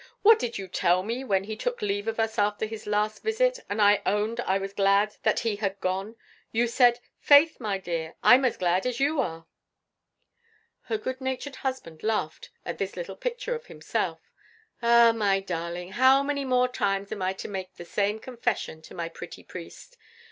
What did you tell me when he took leave of us after his last visit, and I owned I was glad that he had gone? You said: 'Faith, my dear, I'm as glad as you are.'" Her good natured husband laughed at this little picture of himself. "Ah, my darling, how many more times am I to make the same confession to my pretty priest?